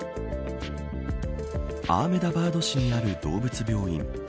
アーメダバード市にある動物病院